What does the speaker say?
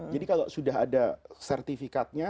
jadi kalau sudah ada sertifikatnya